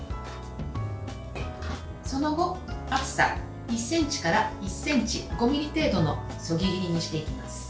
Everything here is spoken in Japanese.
その後、厚さ１ｃｍから１ｃｍ５ｍｍ程度のそぎ切りにしていきます。